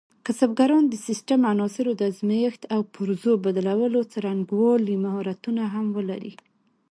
کسبګران د سیسټم عناصرو د ازمېښت او پرزو بدلولو څرنګوالي مهارتونه هم ولري.